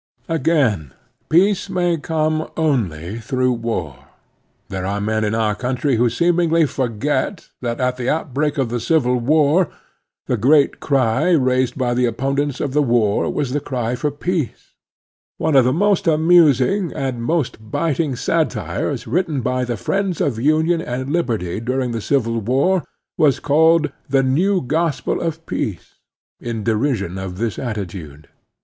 Again, peace may come only through war. There are men in our cotintry who seemingly forget that at the outbreak of the Civil War the great cry raised by the opponents of the war was the cry for peace. One of the most amusing and most biting satires written by the friends of tinion and liberty diuing the Civil War was called the Expafliion and Peace 29 "New Gospel of Peace," in derision of this atti tude.